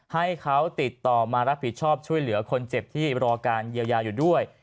ให้เขาติดต่อมารับผิดชอบช่วยเหลือคนเจ็บที่รอการเยียวยาอยู่ด้วย